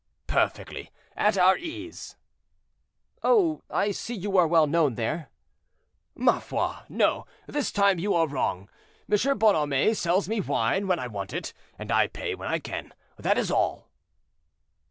"Perfectly at our ease." "Oh! I see you are well known there." "Ma foi, no; this time you are wrong. M. Bonhomet sells me wine when I want it, and I pay when I can; that is all."